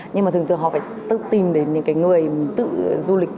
nhưng mà thường thường họ phải tự tìm đến những cái người tự du lịch